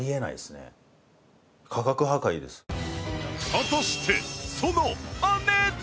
果たしてそのお値段は！？